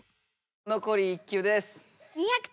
のこり１球です。